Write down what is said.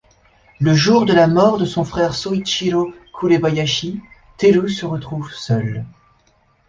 Le jour de la mort de son frère Sōichiro Kurebayashi, Teru se retrouve seule.